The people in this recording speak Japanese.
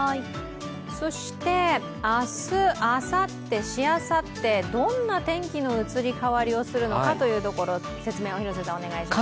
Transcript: そして明日、あさって、しあさって、どんな天気の移り変わりをするのかというところ、説明をお願いします。